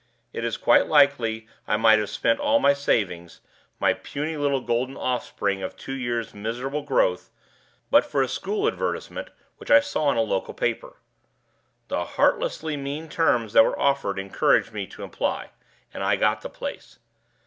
It is quite likely I might have spent all my savings, my puny little golden offspring of two years' miserable growth, but for a school advertisement which I saw in a local paper. The heartlessly mean terms that were offered encouraged me to apply; and I got the place.